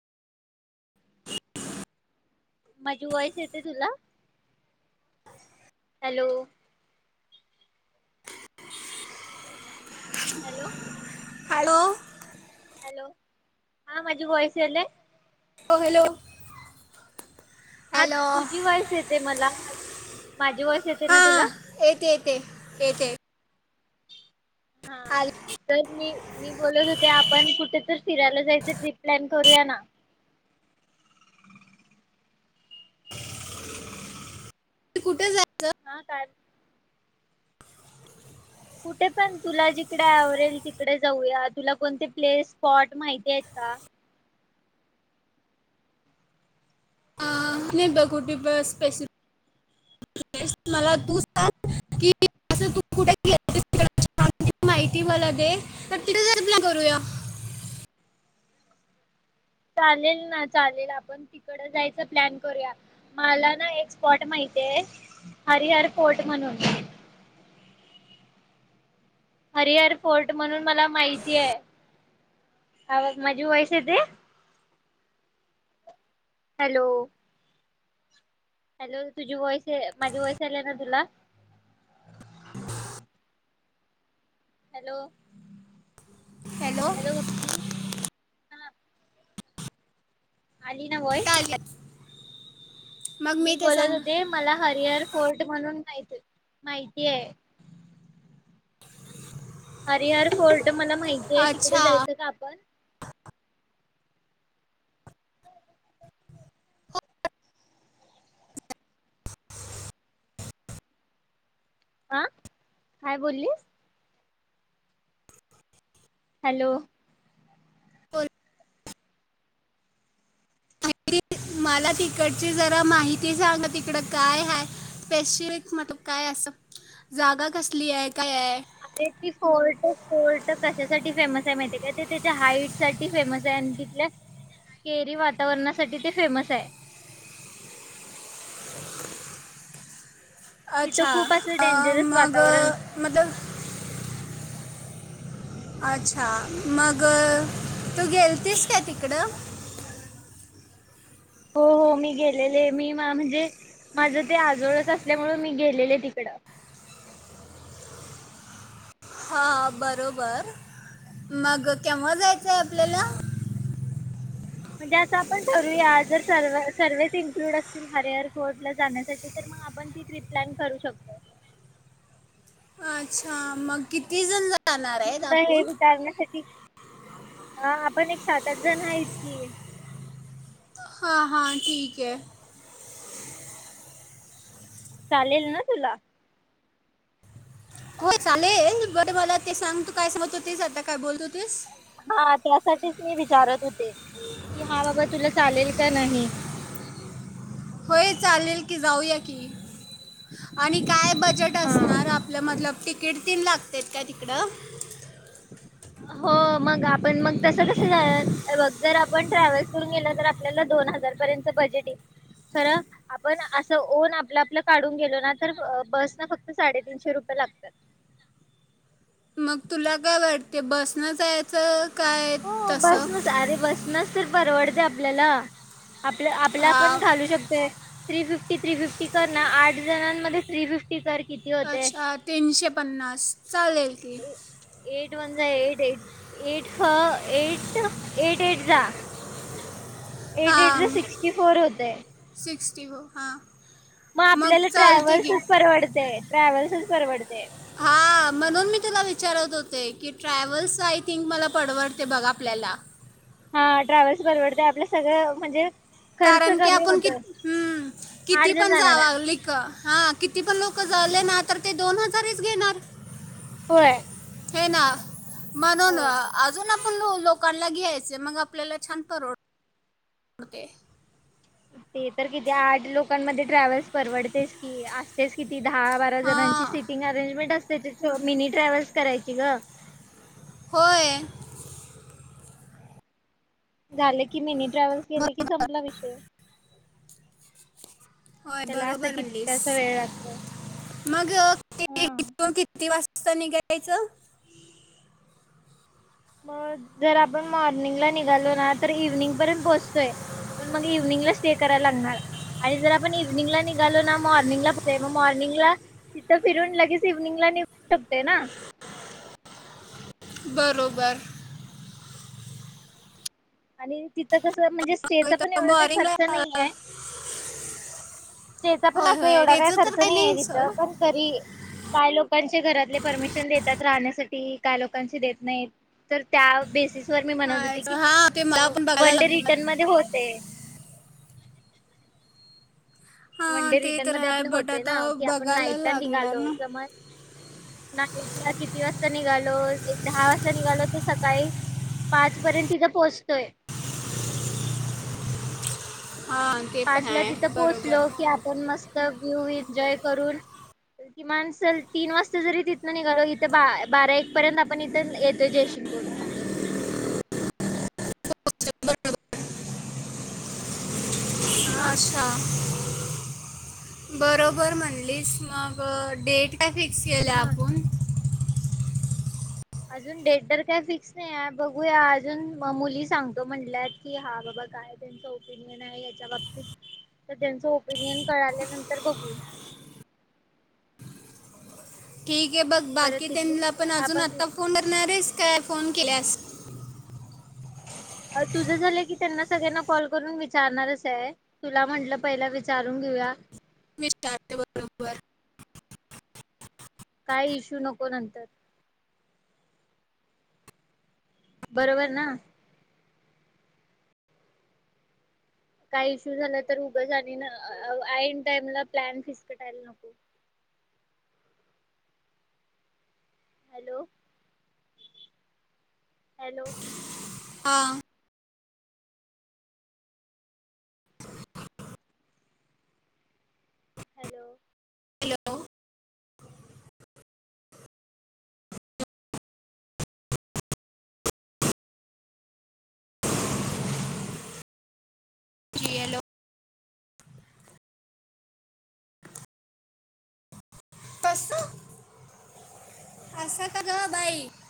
[inaudible] माझी वॉईस येते तुला? हॅलो. [unintelligible] हॅलो हॅलो हॅलो, हा माझी व्हॉईस याल्या? हॅलो हॅलो हा तुझी वॉइस येते मला. माझी वॉइस येते ना हां तुला येते येते येते हा आली तर मी. मी बोलत होते आपण कुठे तर फिरायला जायचं ट्र्रीप प्लॅन करूया ना. कुठे जा हा काय कुठे पण तुला जिकडे आवडेल तिकडे जाऊया. तुला कोणते प्लेस स्पॉट माहिती आहेत का? अ [inaudible] नाही ब कुठे स्पेशल मला तू सांग की तू कुठेछ माहिती मला दे तर तिथे रप्ला करूया चालेल ना चालेल आपण तिकड जायच प्लॅन करूया. मला ना एक स्पॉट माहितीय हरिहर फोर्ट म्हणून हरिहर फोर्ट म्हणून मला माहिती आहे माझी व्हॉईस येते हॅलो हॅलो तुझी वॉइस माझी वॉइस आलय ना तुला हॅलो हॅलो भक्ती हा आली ना व्हॉईस चालेल मग मी ते बोलत सांग होते मला हरिहर फोर्ट म्हणून माहिती आहे हर हर फोर्ट तर मला माहिती आहे तिकड अच्छा जायचं का आपण हा काय बोललीस हॅलो बोल. मला तिकडची जरा माहिती सांगा तिकडं काय ह स्पेसिफिक मतलब काय असं जागा कसली आहेत अरे ती फोर्टक फोर्टक कशासाठी फेमस आहे माहितीय का ते त्याच्या हाईट साठी फेमस आहे आणि तिथल्या स्केरी वातावरणासाठी ते फेमस आहे तिथं अच्छा खूप असं डेंजरस मग वातावरण असतं मतलब अच्छा मग तू गेलतीस का तिकडं हो हो मी गेलेले मी म्हणजे माझं ते आजोळच असल्यामुळे मी गेलेले तिकडं हा बरोबर मग केव्हा जायचंय आपल्याला म्हणजे असं आपण ठरूया जर स सर्वस इन्क्लूड असतील हरे एरोर्ट ला जाण्यासाठी तर मग आपण ती ट्रिप करू शकतो अच्छा मग किती जण ला मी तुला हे विचारण्यासाठी, हा आपण एक सात आठ जण आहीत की हां हां ठीक आहे चालेल ना तुला होय चालेल बट मला ते सांग तू काय समत होतीस, आता काय बोलतो हा त्यासाठीच मी विचारत होते. की हा बाबा तुला चालेल? काय नाही? होय चालेल की जाऊया की, आणि काय बजेट हा असणार आपल्या मधल तिकी तीन लागतेत काय तिकडं? हो मग आपण मग कस जस जाय हे बघ जर आपण ट्रॅव्हलस करून गेल तर आपल्याला दोन हजार पर्यंतच बजेट येईल, खर आपण असं ओन आपलं आपलं काढून गेलो ना तर बस ना फक्त साडेतीनशे रुपये लागत्यात. मग तुला काय वाटतय बसनं जायचं काय हो तसं बसनच आरे! बस नस तर परवडतय आपल्याला. आपलं आपल्या हा आपण घालू शकतोय. थ्री फिफ्टी थ्री फिफ्टी कर ना आठ जणांमध्ये थ्री फिफ्टी कर किती होते अच्छा तीनशे पन्नास चालेल की एट वनजा एट एट एट हो एट एट एटजा. एट हां एटजा सिक्स्टी फोर होतय. टी हो हा मग आपल्याला ट्रॅव्हल्सच परवडतय ट्रॅव्हल्सच परवडतय हा म्हणून मी तुला विचारत होते, की ट्रॅव्हल्स आय थिंक मला पडवडतय बघा आपल्याला. हा ट्रॅव्हल्स परवडतय आपलं सगळं म्हणजे, खर्च कारण की कमी आपण होत किती हुं आठ जण कितीपण जाणार जावा आहे लीक हा किती पण लोक क झाले ना तर ते दोन हजारीच घेणार. होय. हे ना. म्हणून हो आजून आपण लो लोक लोकाना घ्यायच मग आपल्याला छान परवडतय. ते तर किती आठ लोकांमध्ये ट्रॅव्हल्स परवडतयस की आसतयच क ती दहा बारा जणांची हां सिटिंग अरेंजमेंट अस [unintelligible] मिनी ट्रॅव्हल्स करायची ग. होय. झाले की मिनी ट्रॅव्हल्स केली, की संपला विषय. होय त्याला असं बरोबर म्हनलीस कितकासा वेळ लागतो मग हम किती वाज स्ता निघायचं? मग जर आपण मॉर्निंगला निघालो ना तर इव्हनिंग पर्यंत पोहोचतोय, पण मग इव्हनिंगला स्टे करायला लागणार आणि जर आपण इव्हनिंगला निघालो ना, तर मॉर्निंगला, मॉर्निंगला तिथं फिरून, लगेच इव्हनिंगला निघू शकतोय ना? बरोबर. आणि ती कस म्हणजे स्टेचा पण एवढा काही खर्च मॉर्निंगला नाहीये. स्टेचा पण होय असा होय एवढा काही त्याचं तर खर्च नाहीय नाही सोड तिथं, पण तरी काय लोक काही लोकांचे घरातले परमिशन देतात राहण्यासाठी, काय लोकांची देत नाही, तर त्या बेसिस वर मी म्हणत हाय होते की, हा ते मला पण बघायला वन डे लागणार रिटर्न मध्ये होतय. वन हा डे ते रिटर्न तर मध्ये आहे आपले बट होते ना आता की, आपण बघायला नाईट ला लागणार निघालो ना समज नाईट ला किती वाजता निघालो एक दहा वाजता निघालो तर सकाळी पाच पर्यंत तिथं पोहोचतोय. हा ते पण पाचला आहे तिथं बरोबर पोहोचलो की आपण मस्त व्हिव एनजॉय करून, किमान चल तीन वाजता जरी तिथनं निघालो इथं बारा एक पर्यंत आपण इथं येतोय जयसिंगपूरला. [unintelligible] अ आच्छा. बरोबर म्हणलीस, मग डेट काय फिक्स केलंय ह आपूण? अजून डेट तर काय फिक्स नाही आहे, बघूया अजून मुली सांगतो म्हणल्यात कि हा बाबा काय त्यांच ओपिनियन आहे याच्या बाबतीत, तर त्यांच ओपिनियन कळाल्यानंतर बघू. ठीक आहे बघ परत तिथलीच बाकीच्याना पण अजून आपण आत्ता फोन करणारेस काय? फोन केल्यास अ तुझ झालं की त्यांना सगळ्यांना कॉल करून विचारणारच आहे, तुला म्हंटल पहिलं विचारून घेऊया. विचारते बरोबर. काय इश्यू नको नंतर. बरोबर ना? काही इशू झाला तर उगंच आणि आईन टाइमला प्लॅन फिस्कटायला नको. हॅलो. हॅलो हां. हॅलो हॅलो की येलो [unintelligible] कस? असा का ग बाई?